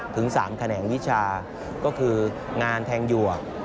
ถึง๓แขนงวิชาก็คืองานแทงหยวก